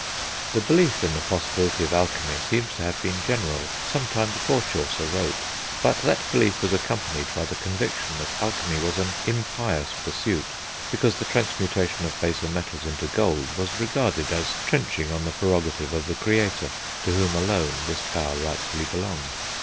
The belief in the possibility of alchemy seems to have been general sometime before Chaucer wrote; but that belief was accompanied by the conviction that alchemy was an impious pursuit, because the transmutation of baser metals into gold was regarded as trenching on the prerogative of the Creator, to whom alone this power rightfully belonged.